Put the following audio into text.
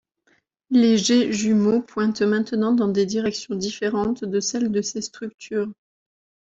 Les jets jumeaux pointent maintenant dans des directions différentes de celle de ces structures.